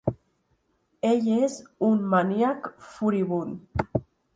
Ell és un maníac furibund.